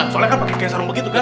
soalnya kan pakai sarung begitu kan